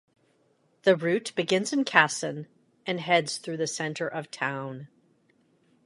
The route begins in Kasson, and heads through the center of town.